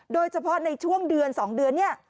โดยเฉพาะในช่วงเดือน๒เดือนเนี่ย